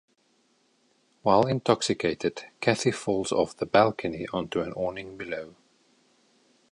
While intoxicated, Cathy falls off the balcony onto an awning below.